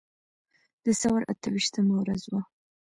د ثور اته ویشتمه ورځ وه.